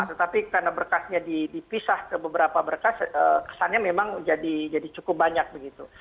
tetapi karena berkasnya dipisah ke beberapa berkas kesannya memang jadi cukup banyak begitu